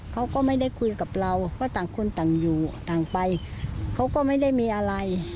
เขาก็ไม่ได้คุยกับเราก็ต่างคนต่างอยู่ต่างไปเขาก็ไม่ได้มีอะไร